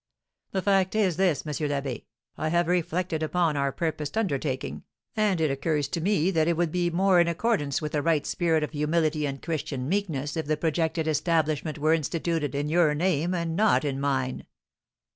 "The fact is this, M. l'Abbé, I have reflected upon our purposed undertaking, and it occurs to me that it would be more in accordance with a right spirit of humility and Christian meekness if the projected establishment were instituted in your name, and not in mine."